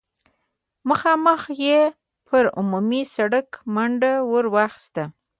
مخامخ يې پر عمومي سړک منډه ور واخيسته.